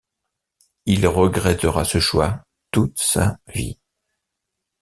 Il regrettera ce choix toute sa vie.